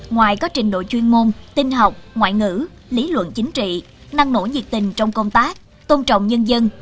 ngoài có trình độ chuyên môn tin học ngoại ngữ lý luận chính trị năng nổ nhiệt tình trong công tác tôn trọng nhân dân